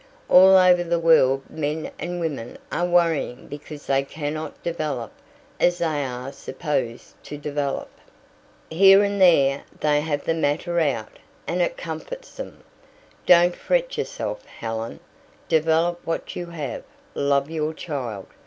All over the world men and women are worrying because they cannot develop as they are supposed to develop. Here and there they have the matter out, and it comforts them. Don't fret yourself, Helen. Develop what you have; love your child.